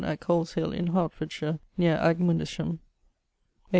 ] at Colshill[CG] in Hertfordshire neer Agmundesham A.